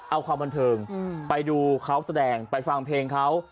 เอาความบันเทิงไปดูเขาแสดงไปฟังเพลงเขา